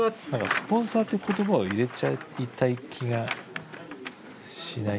「スポンサー」って言葉を入れちゃいたい気がしない？